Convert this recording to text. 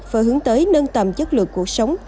và hướng tới nâng tầm chất lượng cuộc sống